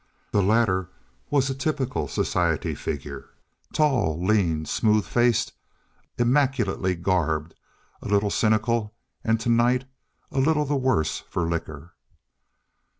The latter was a typical society figure, tall, lean, smooth faced, immaculately garbed, a little cynical, and to night a little the worse for liquor.